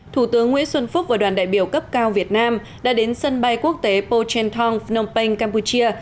thủ tướng nguyễn xuân phúc và đoàn đại biểu cấp cao việt nam đã đến sân bay quốc tế pochen thong phnom penh campuchia